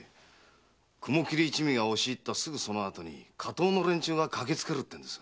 雲切一味が押し入ったすぐその後に火盗の連中が駆け付けるってんです。